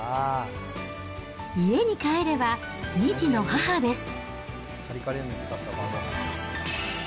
家に帰れば、２児の母です。